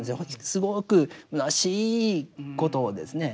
すごくむなしいことですね。